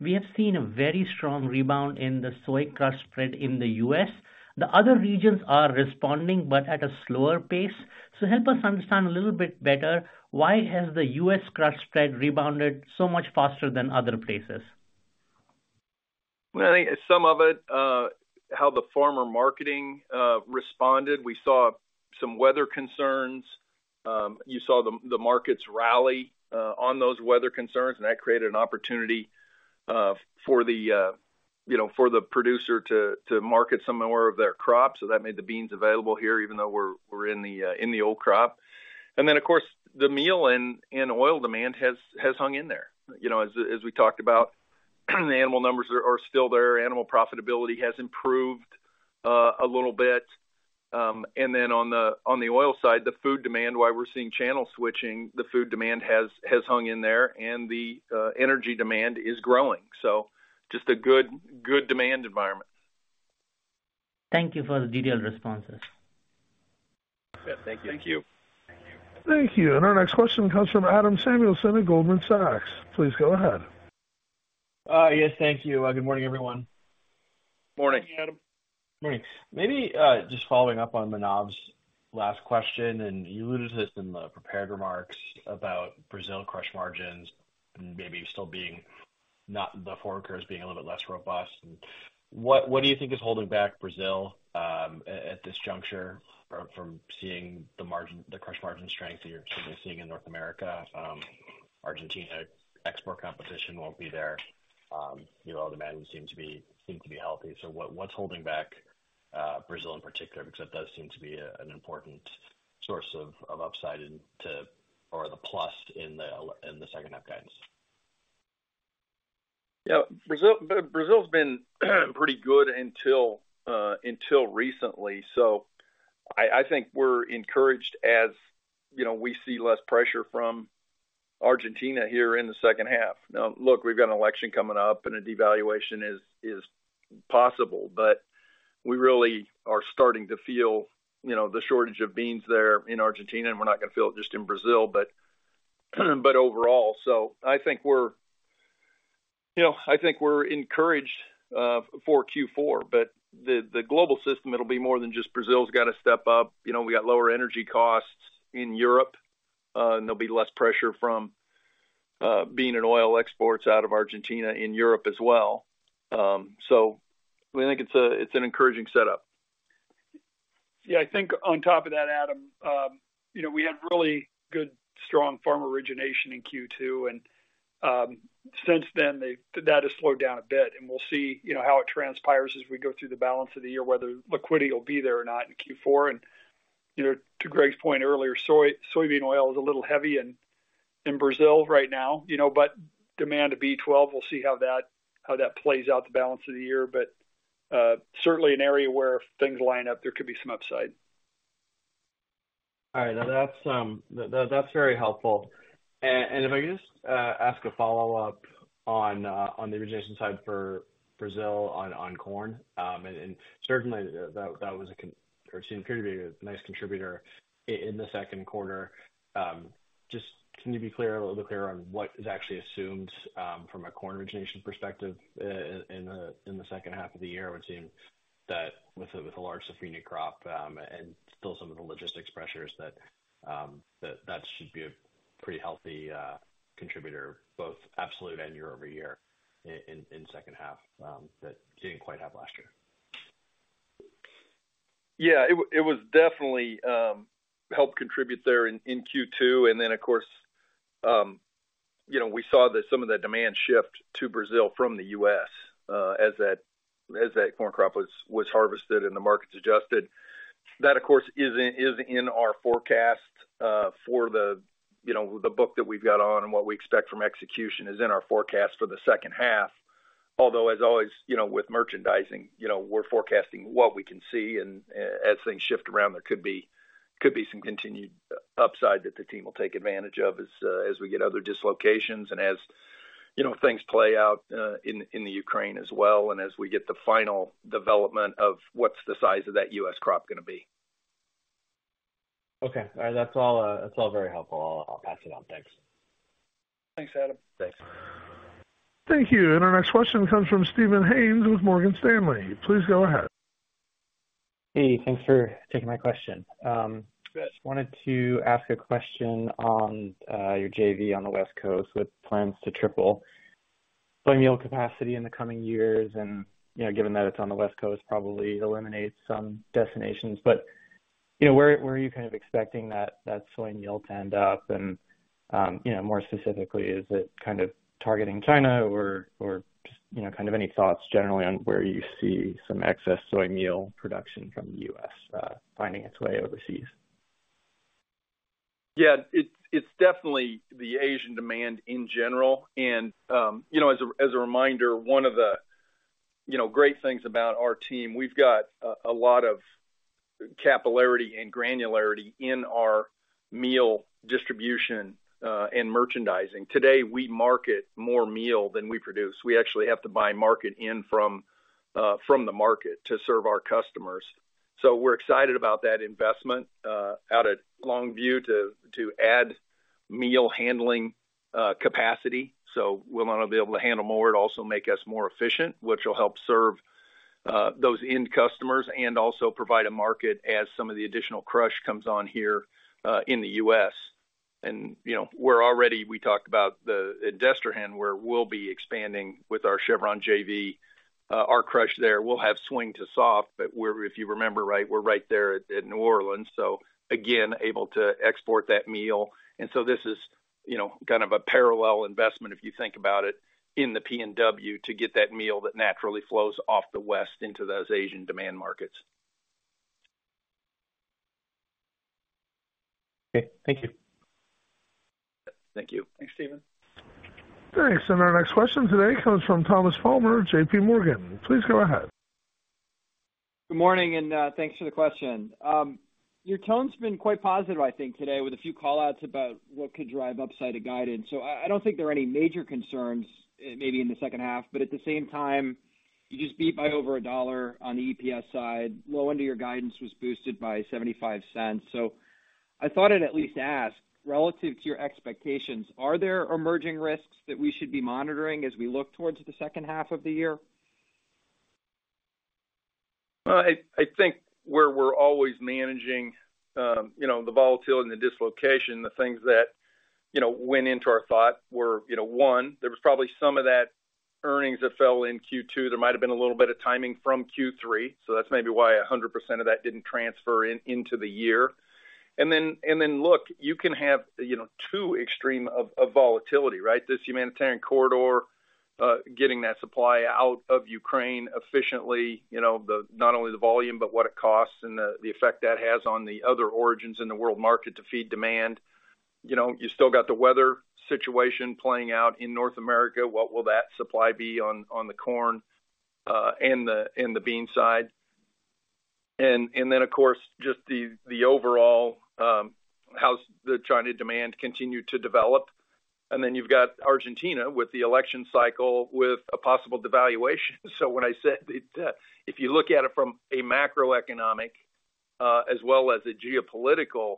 S8: we have seen a very strong rebound in the soy crush spread in the U.S. The other regions are responding, but at a slower pace. Help us understand a little bit better, why has the U.S. crush spread rebounded so much faster than other places?
S3: I think some of it, how the farmer marketing responded. We saw some weather concerns. You saw the markets rally on those weather concerns, and that created an opportunity, you know, for the producer to market some more of their crops. That made the beans available here, even though we're in the old crop. Of course, the meal and oil demand has hung in there. You know, as we talked about, the animal numbers are still there. Animal profitability has improved a little bit. On the oil side, the food demand, why we're seeing channel switching, the food demand has hung in there, and the energy demand is growing. Just a good, good demand environment.
S8: Thank you for the detailed responses.
S4: Yeah. Thank you.
S3: Thank you.
S1: Thank you. Our next question comes from Adam Samuelson at Goldman Sachs. Please go ahead.
S9: Yes, thank you. Good morning, everyone.
S3: Morning.
S4: Morning, Adam.
S9: Morning. Maybe, just following up on Manav's last question, and you alluded to this in the prepared remarks about Brazil crush margins and maybe still being not- the forward curves being a little bit less robust. What, what do you think is holding back Brazil at this juncture from, from seeing the margin-- the crush margin strength that you're seeing in North America? Argentina export competition won't be there. You know, demand seems to be, seem to be healthy. What, what's holding back Brazil in particular? Because that does seem to be a, an important source of, of upside into or the plus in the l- in the second half guidance.
S3: Yeah. Brazil's been, pretty good until recently. I, I think we're encouraged, as, you know, we see less pressure from Argentina here in the second half. Now, look, we've got an election coming up, and a devaluation is, is possible, but we really are starting to feel, you know, the shortage of beans there in Argentina, and we're not going to feel it just in Brazil, but, but overall. I think we're, you know, I think we're encouraged for Q4, but the, the global system, it'll be more than just Brazil's got to step up. You know, we got lower energy costs in Europe, and there'll be less pressure from bean and oil exports out of Argentina in Europe as well. We think it's an encouraging setup.
S4: Yeah, I think on top of that, Adam, you know, we had really good, strong farmer origination in Q2, and since then, that has slowed down a bit, and we'll see, you know, how it transpires as we go through the balance of the year, whether liquidity will be there or not in Q4. You know, to Greg's point earlier, soybean oil is a little heavy in Brazil right now, you know, but demand to B12, we'll see how that plays out the balance of the year. Certainly an area where if things line up, there could be some upside.
S9: All right. Now, that's, that's very helpful. If I could just ask a follow-up on the origination side for Brazil on corn. Certainly, that was or seemed to be a nice contributor in the second quarter. Just can you be clear, a little bit clearer on what is actually assumed from a corn origination perspective in the second half of the year? It would seem that with a large safrinha crop and still some of the logistics pressures, that should be a pretty healthy contributor, both absolute and year-over-year in second half that didn't quite have last year.
S3: Yeah, it was definitely, helped contribute there in, in Q2. Then, of course, you know, we saw that some of that demand shift to Brazil from the U.S., as that, as that corn crop was, was harvested and the markets adjusted. That, of course, is in, is in our forecast, for the, you know, the book that we've got on and what we expect from execution is in our forecast for the second half. Although, as always, you know, with merchandising, you know, we're forecasting what we can see, and as things shift around, there could be, could be some continued, upside that the team will take advantage of as, as we get other dislocations and as, you know, things play out in the Ukraine as well, and as we get the final development of what's the size of that U.S. crop gonna be?
S9: Okay. All right, that's all, that's all very helpful. I'll, I'll pass it on. Thanks.
S3: Thanks, Adam.
S4: Thanks.
S1: Thank you. Our next question comes from Steven Haynes with Morgan Stanley. Please go ahead.
S10: Hey, thanks for taking my question.
S3: Yes.
S10: Just wanted to ask a question on, your JV on the West Coast, with plans to triple soy meal capacity in the coming years. You know, given that it's on the West Coast, probably eliminate some destinations. You know, where, where are you kind of expecting that, that soy meal to end up? You know, more specifically, is it kind of targeting China or, or just, you know, kind of any thoughts generally on where you see some excess soy meal production from the U.S., finding its way overseas?
S3: Yeah, it's, it's definitely the Asian demand in general. You know, as a reminder, one of the, you know, great things about our team, we've got a, a lot of capillarity and granularity in our meal distribution and merchandising. Today, we market more meal than we produce. We actually have to buy market in from the market to serve our customers. We're excited about that investment out at Longview, to add meal handling capacity. We'll not only be able to handle more, it also make us more efficient, which will help serve those end customers and also provide a market as some of the additional crush comes on here in the U.S. You know, we're already -- we talked about the, at Destrehan, where we'll be expanding with our Chevron JV. Our crush there will have swing to soft, but we're, if you remember right, we're right there at, at New Orleans, so again, able to export that meal. This is, kind of a parallel investment, if you think about it, in the PNW, to get that meal that naturally flows off the west into those Asian demand markets.
S10: Okay. Thank you.
S3: Thank you.
S4: Thanks, Steven.
S1: Thanks. Our next question today comes from Thomas Palmer, JPMorgan. Please go ahead.
S11: Good morning, thanks for the question. Your tone's been quite positive, I think, today, with a few call-outs about what could drive upside to guidance. I, I don't think there are any major concerns, maybe in the second half, but at the same time, you just beat by over $1 on the EPS side. Low end of your guidance was boosted by $0.75. I thought I'd at least ask, relative to your expectations, are there emerging risks that we should be monitoring as we look towards the second half of the year?
S3: I, I think where we're always managing, you know, the volatility and the dislocation, the things that, you know, went into our thought were, you know, one, there was probably some of that earnings that fell in Q2. There might have been a little bit of timing from Q3, so that's maybe why 100% of that didn't transfer into the year. Then, then, look, you can have, you know, two extreme of, of volatility, right? This humanitarian corridor, getting that supply out of Ukraine efficiently, you know, the not only the volume, but what it costs and the, the effect that has on the other origins in the world market to feed demand. You know, you still got the weather situation playing out in North America. What will that supply be on, on the corn, and the, and the bean side? Then, of course, just the overall, how's the China demand continue to develop? Then you've got Argentina with the election cycle, with a possible devaluation. When I said it, if you look at it from a macroeconomic, as well as a geopolitical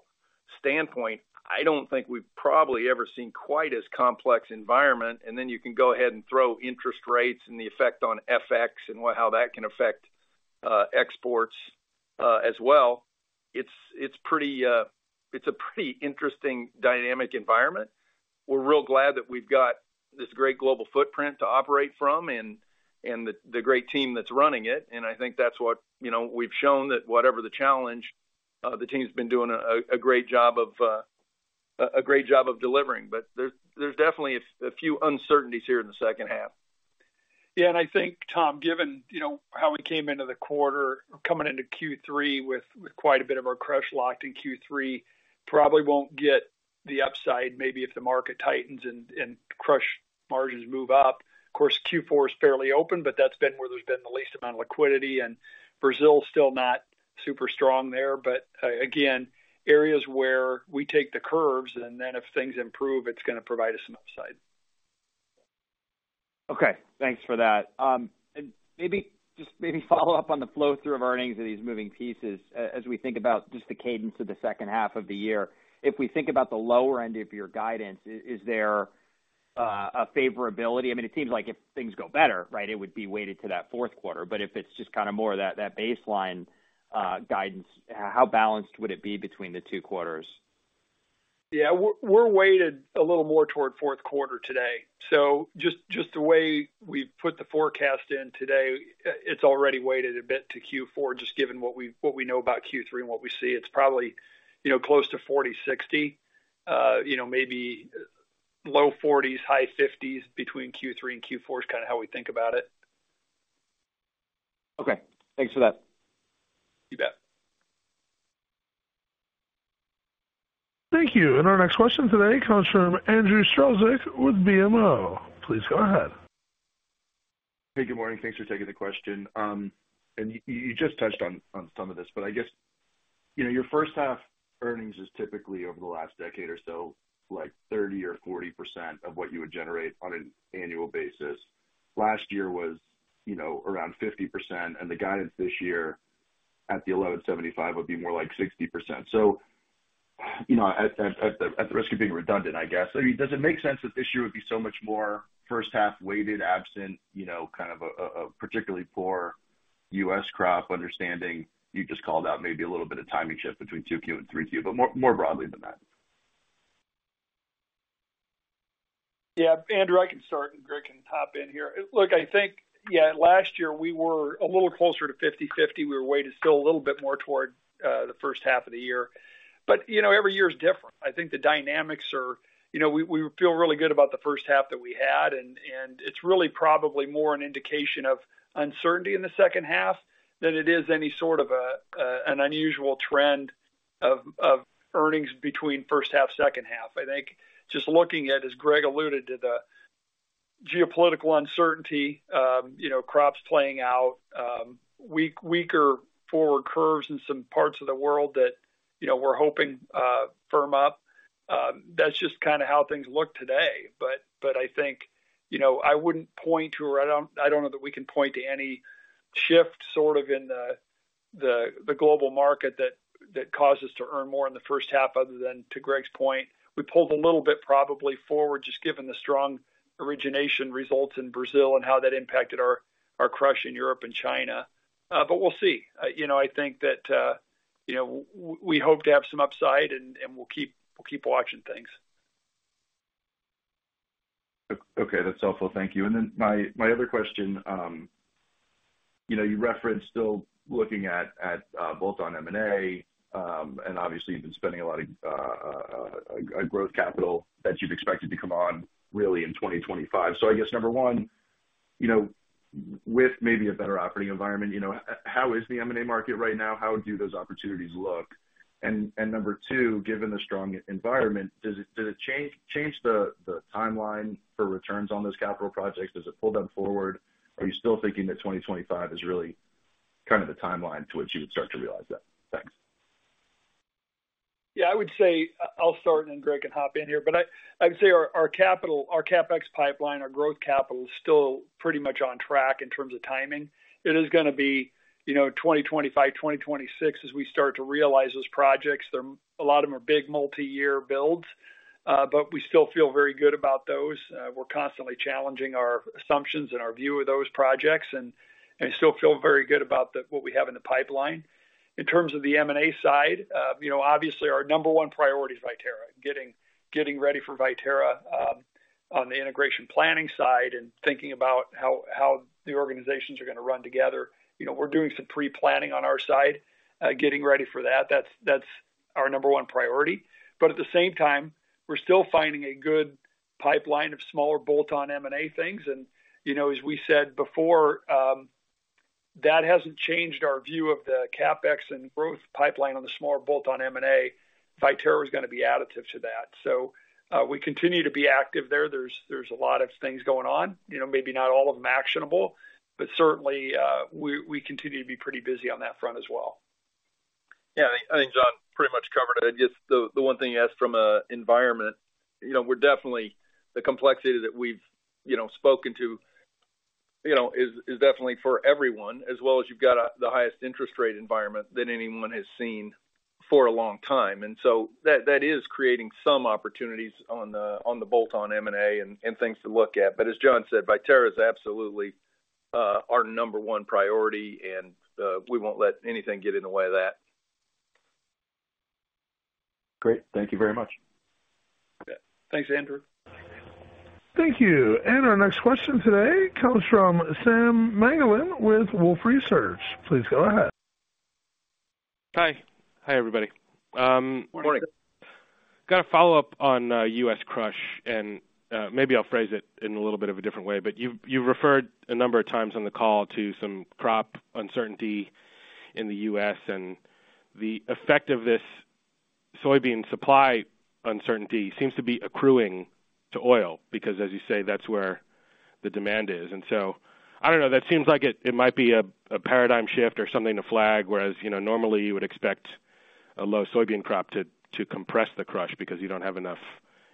S3: standpoint, I don't think we've probably ever seen quite as complex environment. Then you can go ahead and throw interest rates and the effect on FX and how that can affect exports as well. It's a pretty interesting dynamic environment. We're real glad that we've got this great global footprint to operate from and the great team that's running it, and I think that's what, you know, we've shown, that whatever the challenge, the team's been doing a great job of a great job of delivering. There's, there's definitely a few uncertainties here in the second half.
S4: I think, Tom, given, you know, how we came into the quarter, coming into Q3 with, with quite a bit of our crush locked in Q3, probably won't get the upside, maybe if the market tightens and crush margins move up. Of course, Q4 is fairly open, but that's been where there's been the least amount of liquidity, and Brazil is still not super strong there. Again, areas where we take the curves, and then if things improve, it's gonna provide us some upside.
S11: Okay, thanks for that. maybe, just maybe follow up on the flow-through of earnings of these moving pieces. As we think about just the cadence of the second half of the year, if we think about the lower end of your guidance, is there a favorability? I mean, it seems like if things go better, right, it would be weighted to that fourth quarter. If it's just kind of more that, that baseline, guidance, how balanced would it be between the two quarters?
S3: Yeah, we're, we're weighted a little more toward fourth quarter today. Just, just the way we've put the forecast in today, it's already weighted a bit to Q4, just given what we, what we know about Q3 and what we see. It's probably, you know, close to 40-60. you know, maybe low 40s, high 50s between Q3 and Q4 is kind of how we think about it.
S11: Okay, thanks for that.
S3: You bet.
S1: Thank you. Our next question today comes from Andrew Strelzik with BMO. Please go ahead.
S12: Hey, good morning. Thanks for taking the question. And you just touched on, on some of this, but I guess, you know, your first half earnings is typically over the last decade or so, like 30% or 40% of what you would generate on an annual basis. Last year was, you know, around 50%, and the guidance this year at the $11.75 would be more like 60%. You know, at, at, at the risk of being redundant, I guess, I mean, does it make sense that this year would be so much more first half weighted, absent, you know, kind of a, a, a particularly poor U.S. crop, understanding you just called out maybe a little bit of timing shift between 2Q and 3Q, but more, more broadly than that?
S4: Yeah, Andrew, I can start. Greg can hop in here. Look, I think, last year we were a little closer to 50/50. We were weighted still a little bit more toward the first half of the year. You know, every year is different. I think the dynamics are. You know, we, we feel really good about the first half that we had, and it's really probably more an indication of uncertainty in the second half than it is any sort of a an unusual trend of earnings between first half, second half. I think just looking at, as Greg alluded to, the geopolitical uncertainty, you know, crops playing out, weaker forward curves in some parts of the world that, you know, we're hoping firm up. That's just kind of how things look today. I think, you know, I wouldn't point to, or I don't, I don't know that we can point to any shift sort of in the, the, the global market that, that caused us to earn more in the first half other than, to Greg's point, we pulled a little bit probably forward, just given the strong origination results in Brazil and how that impacted our, our crush in Europe and China. But we'll see. You know, I think that, you know, we hope to have some upside and, and we'll keep, we'll keep watching things.
S12: Okay, that's helpful. Thank you. My, my other question, you know, you referenced still looking at, at bolt-on M&A, and obviously you've been spending a lot of a growth capital that you've expected to come on really in 2025. I guess, number one, you know, with maybe a better operating environment, you know, how is the M&A market right now? How do those opportunities look? Number two, given the strong environment, does it, does it change, change the, the timeline for returns on those capital projects? Does it pull them forward? Are you still thinking that 2025 is really kind of the timeline to which you would start to realize that? Thanks.
S4: Yeah, I would say, I'll start, and then Greg can hop in here. I, I would say our, our capital, our CapEx pipeline, our growth capital is still pretty much on track in terms of timing. It is going to be, you know, 2025, 2026, as we start to realize those projects. A lot of them are big, multiyear builds, but we still feel very good about those. We're constantly challenging our assumptions and our view of those projects, and, and still feel very good about the what we have in the pipeline. In terms of the M&A side, you know, obviously our number one priority is Viterra, getting, getting ready for Viterra, on the integration planning side and thinking about how, how the organizations are going to run together. You know, we're doing some pre-planning on our side, getting ready for that. That's, that's our number one priority. At the same time, we're still finding a good pipeline of smaller bolt-on M&A things. You know, as we said before, that hasn't changed our view of the CapEx and growth pipeline on the smaller bolt-on M&A. Viterra is going to be additive to that. We continue to be active there. There's, there's a lot of things going on, you know, maybe not all of them actionable, but certainly, we, we continue to be pretty busy on that front as well.
S3: Yeah, I think John pretty much covered it. I just. The one thing he asked from an environment, you know, we're definitely the complexity that we've, you know, spoken to, you know, is definitely for everyone, as well as you've got the highest interest rate environment than anyone has seen for a long time. So that is creating some opportunities on the bolt-on M&A and things to look at. As John said, Viterra is absolutely our number one priority, and we won't let anything get in the way of that.
S12: Great. Thank you very much.
S4: Yeah. Thanks, Andrew.
S1: Thank you. Our next question today comes from Sam Margolin with Wolfe Research. Please go ahead.
S13: Hi. Hi, everybody.
S4: Morning.
S13: Got a follow-up on U.S. crush, and maybe I'll phrase it in a little bit of a different way. You've, you referred a number of times on the call to some crop uncertainty in the U.S., and the effect of this soybean supply uncertainty seems to be accruing to oil, because, as you say, that's where the demand is. I don't know. That seems like it, it might be a, a paradigm shift or something to flag, whereas, you know, normally you would expect a low soybean crop to, to compress the crush because you don't have enough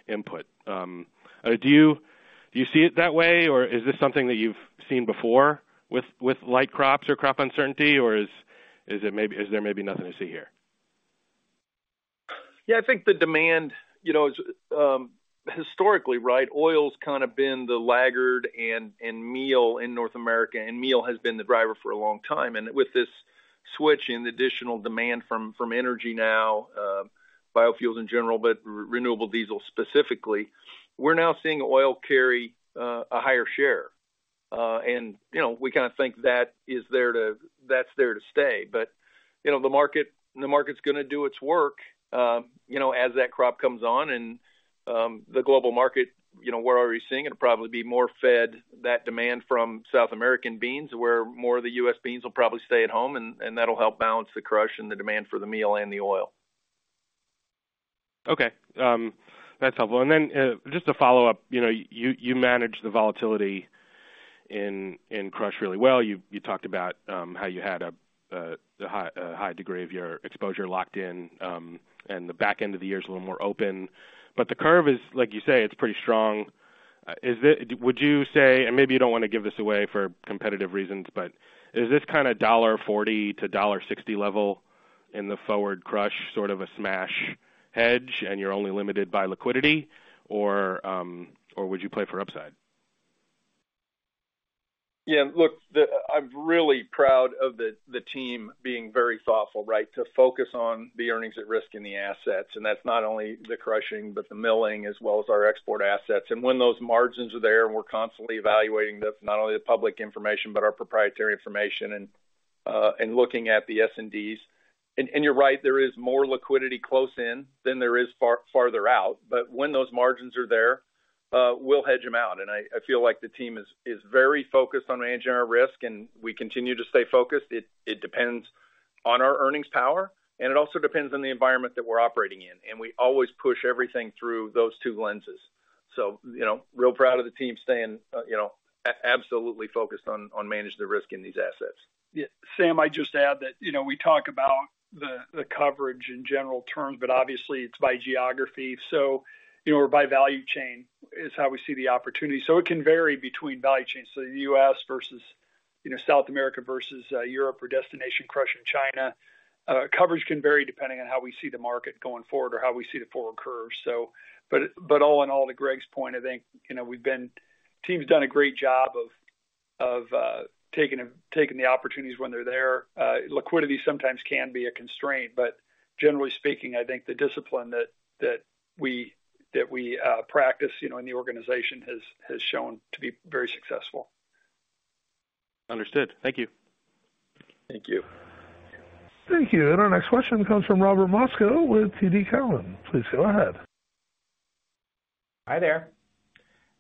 S13: input. Do you, do you see it that way, or is this something that you've seen before with, with light crops or crop uncertainty, or is there maybe nothing to see here?
S3: Yeah, I think the demand, you know, historically, right, oil's kind of been the laggard and, and meal in North America, and meal has been the driver for a long time. With this switch in additional demand from, from energy now, biofuels in general, but renewable diesel specifically, we're now seeing oil carry a higher share. You know, we kind of think that's there to stay. You know, the market, the market's going to do its work, you know, as that crop comes on and, the global market, you know, we're already seeing it'll probably be more fed that demand from South American beans, where more of the US beans will probably stay at home, and that'll help balance the crush and the demand for the meal and the oil.
S13: Okay, that's helpful. Then, just a follow-up, you know, you, you manage the volatility in, in crush really well. You, you talked about how you had a high, a high degree of your exposure locked in, and the back end of the year is a little more open. The curve is, like you say, it's pretty strong. Would you say, and maybe you don't want to give this away for competitive reasons, but is this kind of $1.40-$1.60 level in the forward crush, sort of a smash hedge, and you're only limited by liquidity, or, or would you play for upside?
S3: Yeah, look, I'm really proud of the, the team being very thoughtful, right? To focus on the earnings at risk in the assets, and that's not only the crushing, but the milling, as well as our export assets. When those margins are there, and we're constantly evaluating the, not only the public information, but our proprietary information and looking at the S&Ds. You're right, there is more liquidity close in than there is far- farther out, but when those margins are there, we'll hedge them out. I, I feel like the team is, is very focused on managing our risk, and we continue to stay focused. It, it depends on our earnings power, and it also depends on the environment that we're operating in, and we always push everything through those two lenses. You know, real proud of the team staying, you know, absolutely focused on, on managing the risk in these assets.
S4: Yeah, Sam, I'd just add that, you know, we talk about the, the coverage in general terms, but obviously it's by geography. You know, or by value chain is how we see the opportunity. It can vary between value chains. So the U.S. versus, you know, South America versus Europe or destination crush in China. Coverage can vary depending on how we see the market going forward or how we see the forward curve. All in all, to Greg's point, I think, you know, we've been. Team's done a great job of taking, taking the opportunities when they're there. Liquidity sometimes can be a constraint, but generally speaking, I think the discipline that, that we, that we practice, you know, in the organization has, has shown to be very successful.
S13: Understood. Thank you.
S3: Thank you.
S1: Thank you. Our next question comes from Robert Moskow with TD Cowen. Please go ahead.
S14: Hi there.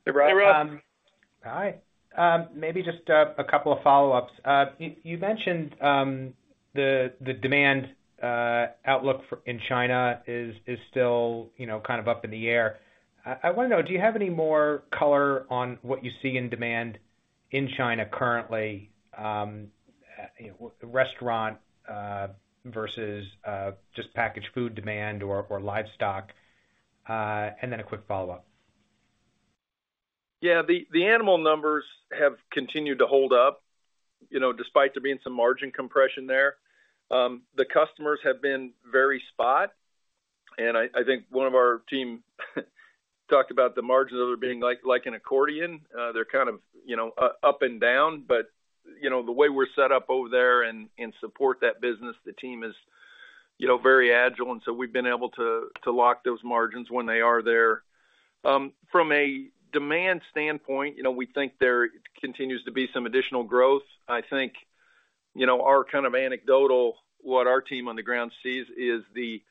S3: Hey, Rob.
S4: Hey, Rob.
S14: Hi. Maybe just a couple of follow-ups. You, you mentioned the, the demand outlook in China is, is still, you know, kind of up in the air. I, I want to know, do you have any more color on what you see in demand in China currently, you know, restaurant versus just packaged food demand or livestock? Then a quick follow-up.
S3: Yeah, the, the animal numbers have continued to hold up, you know, despite there being some margin compression there. The customers have been very spot, and I, I think one of our team talked about the margins are being like, like an accordion. They're kind of, you know, up and down, but, you know, the way we're set up over there and, and support that business, the team is, you know, very agile, and so we've been able to, to lock those margins when they are there. From a demand standpoint, you know, we think there continues to be some additional growth. I think, you know, our kind of anecdotal, what our team on the ground sees is the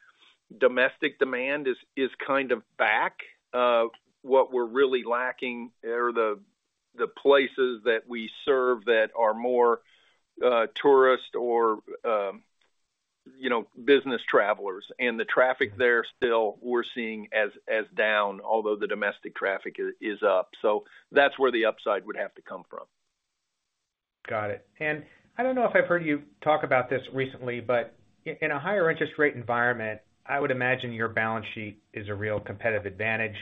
S3: domestic demand is, is kind of back. What we're really lacking are the, the places that we serve that are more, tourist or, you know, business travelers. The traffic there still we're seeing as, as down, although the domestic traffic is, is up. That's where the upside would have to come from.
S14: Got it. I don't know if I've heard you talk about this recently, but in a higher interest rate environment, I would imagine your balance sheet is a real competitive advantage.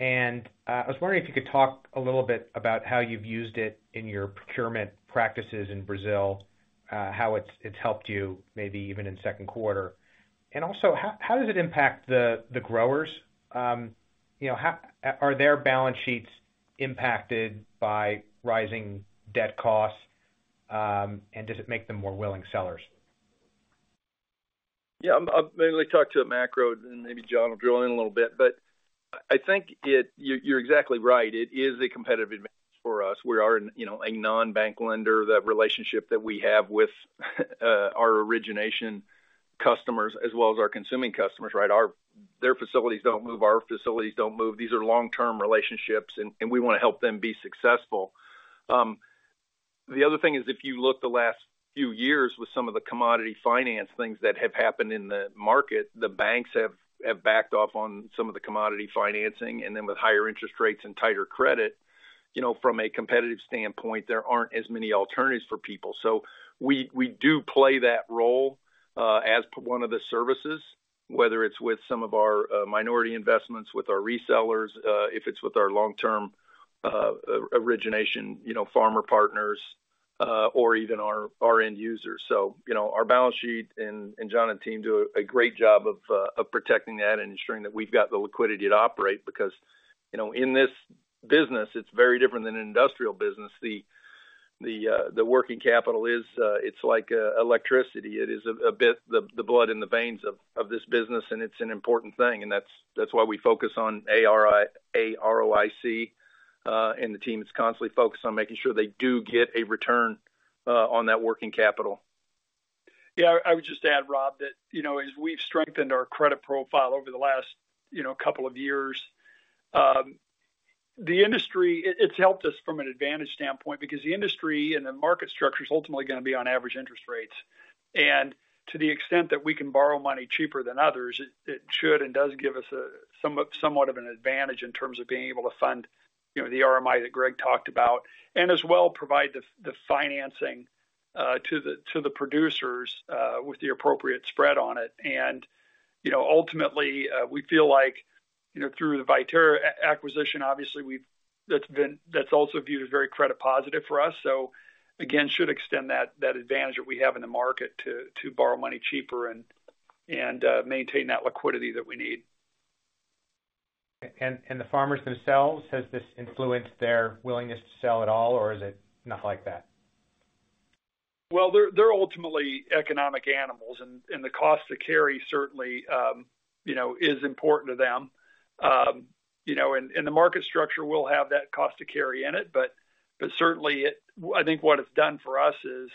S14: I was wondering if you could talk a little bit about how you've used it in your procurement practices in Brazil, how it's, it's helped you, maybe even in second quarter. Also, how, how does it impact the, the growers? You know, are their balance sheets impacted by rising debt costs, and does it make them more willing sellers?
S3: Yeah, I'll mainly talk to the macro, and maybe John will drill in a little bit. I think it. You're, you're exactly right. It is a competitive advantage for us. We are, you know, a non-bank lender. That relationship that we have with our origination customers as well as our consuming customers, right? Their facilities don't move, our facilities don't move. These are long-term relationships, and we want to help them be successful. The other thing is, if you look the last few years with some of the commodity finance things that have happened in the market, the banks have backed off on some of the commodity financing, and then with higher interest rates and tighter credit, you know, from a competitive standpoint, there aren't as many alternatives for people. We, we do play that role as one of the services, whether it's with some of our minority investments, with our resellers, if it's with our long-term origination, you know, farmer partners, or even our end users. You know, our balance sheet, and John and team do a great job of protecting that and ensuring that we've got the liquidity to operate, because, you know, in this business, it's very different than an industrial business. The, the working capital is, it's like electricity. It is a, a bit the, the blood in the veins of this business, and it's an important thing, and that's, that's why we focus on ARI-- AROIC. And the team is constantly focused on making sure they do get a return on that working capital.
S4: Yeah, I would just add, Rob, that, you know, as we've strengthened our credit profile over the last, you know, couple of years, the industry, it's helped us from an advantage standpoint, because the industry and the market structure is ultimately gonna be on average interest rates. To the extent that we can borrow money cheaper than others, it should and does give us a somewhat of an advantage in terms of being able to fund, you know, the RMI that Greg talked about, and as well, provide the financing to the producers with the appropriate spread on it. You know, ultimately, we feel like, you know, through the Viterra acquisition, obviously, we've that's also viewed as very credit positive for us. Again, should extend that, that advantage that we have in the market to, to borrow money cheaper and, and maintain that liquidity that we need.
S14: The farmers themselves, has this influenced their willingness to sell at all, or is it nothing like that?
S4: Well, they're, they're ultimately economic animals, and, and the cost to carry certainly, you know, is important to them. You know, and, and the market structure will have that cost to carry in it, but, but certainly, I think what it's done for us is,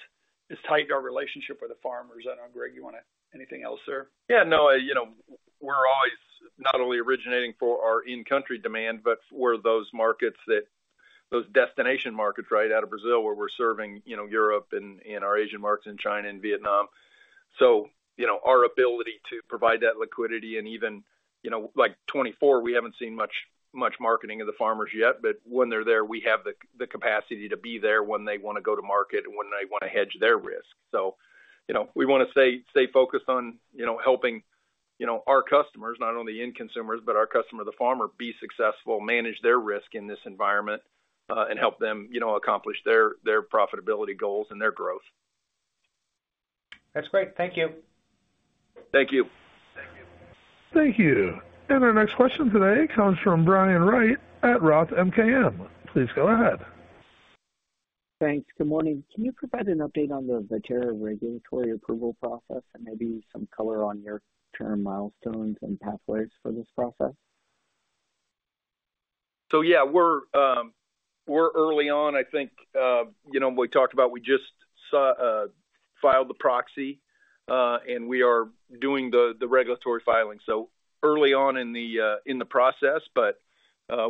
S4: is tightened our relationship with the farmers. I don't know, Greg, you wanna, anything else there?
S3: Yeah, no, you know, we're always not only originating for our in-country demand, but for those markets that, those destination markets, right? Out of Brazil, where we're serving, you know, Europe and, and our Asian markets in China and Vietnam. You know, our ability to provide that liquidity and even, you know, like, 24, we haven't seen much, much marketing of the farmers yet, but when they're there, we have the, the capacity to be there when they wanna go to market and when they wanna hedge their risk. You know, we wanna stay, stay focused on, you know, helping, you know, our customers, not only the end consumers, but our customer, the farmer, be successful, manage their risk in this environment, and help them, you know, accomplish their, their profitability goals and their growth.
S14: That's great. Thank you.
S3: Thank you.
S4: Thank you.
S1: Thank you. Our next question today comes from Brian Wright at ROTH MKM. Please go ahead.
S15: Thanks. Good morning. Can you provide an update on the Viterra regulatory approval process and maybe some color on your term milestones and pathways for this process?
S3: Yeah, we're, we're early on. I think, you know, we talked about, we just saw, filed the proxy, and we are doing the, the regulatory filing. Early on in the, in the process, but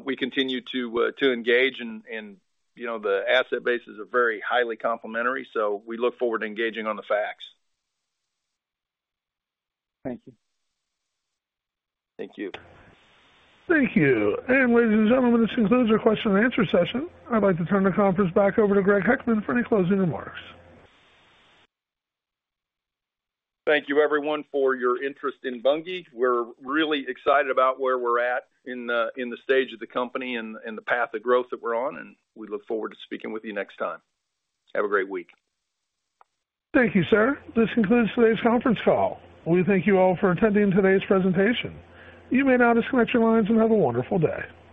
S3: we continue to engage and, and, you know, the asset bases are very highly complementary, so we look forward to engaging on the facts.
S15: Thank you.
S4: Thank you.
S1: Thank you. ladies and gentlemen, this concludes our question and answer session. I'd like to turn the conference back over to Greg Heckman for any closing remarks.
S3: Thank you, everyone, for your interest in Bunge. We're really excited about where we're at in the, in the stage of the company and, and the path of growth that we're on, and we look forward to speaking with you next time. Have a great week.
S1: Thank you, sir. This concludes today's conference call. We thank you all for attending today's presentation. You may now disconnect your lines and have a wonderful day.